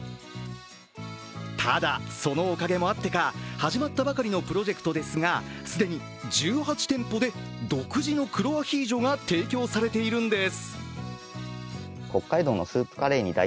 ただ、そのおかげもあってか始まったばかりのプロジェクトですが、既に１８店舗で独自の黒アヒージョが提供されているんです。